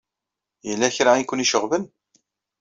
Yella kra ay ken-iceɣben?